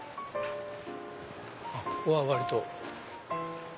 ここは割と。